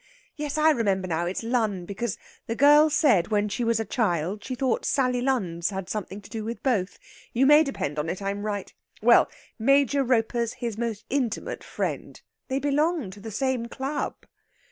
Yes, I remember now; it's Lunn, because the girl said when she was a child she thought Sally Lunns had something to do with both. You may depend on it, I'm right. Well, Major Roper's his most intimate friend. They belong to the same club."